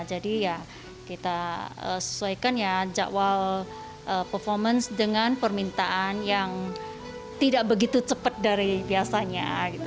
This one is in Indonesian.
jadi ya kita sesuaikan ya jakwal performance dengan permintaan yang tidak begitu cepat dari biasanya